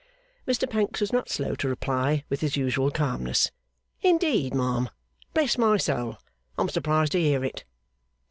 Mr Pancks was not slow to reply, with his usual calmness, 'Indeed, ma'am! Bless my soul! I'm surprised to hear it.